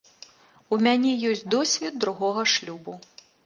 У мяне ёсць досвед другога шлюбу.